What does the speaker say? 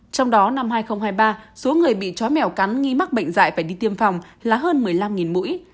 trong đó năm hai nghìn hai mươi ba số người bị chó mèo cắn nghi mắc bệnh dạy phải đi tiêm phòng là hơn một mươi năm mũi